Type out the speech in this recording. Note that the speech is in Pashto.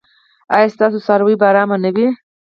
ایا ستاسو څاروي به ارام نه وي؟